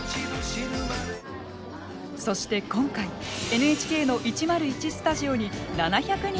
そして今回ＮＨＫの１０１スタジオに７００人を超える観客が集結。